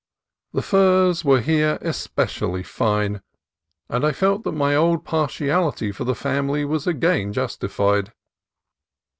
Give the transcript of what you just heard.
The firs were here especially fine, and I felt that my old partiality for the family was again justified.